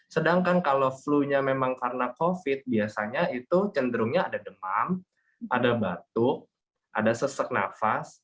sedangkan kalau flu nya memang karena covid biasanya itu cenderungnya ada demam ada batuk ada sesak nafas